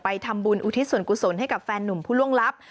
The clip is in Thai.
ทำบุญอุทิศส่วนกุศลให้กับแฟนหนุ่มผู้ล่วงลับ